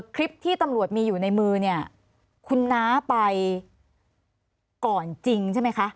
คลิปที่ตำรวจมีอยู่ในมือเนี่ยคุณน้าไปก่อนจริงใช่ไหมคะ